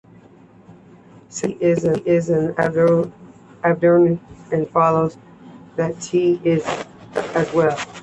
Since C is abelian, it follows that T is as well.